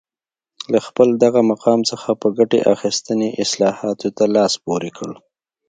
له خپل دغه مقام څخه په ګټې اخیستنې اصلاحاتو ته لاس پورې کړ